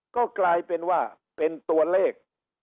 ก็กลายเป็นว่าเป็นตัวเลข